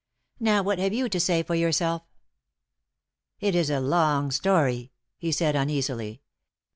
Now what have you to say for yourself?" "It is a long story," he said uneasily.